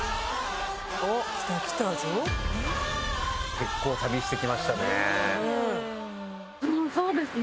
結構旅してきましたね。